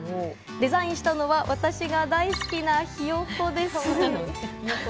デザインしたのは私が大好きなヒヨコです。